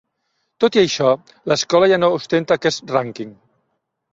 Tot i això, l'escola ja no ostenta aquest rànquing.